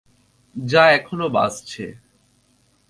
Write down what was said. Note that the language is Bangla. যা এখনও বাজছে।